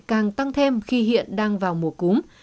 càng tăng thêm khi hiện đang vào mùa cúng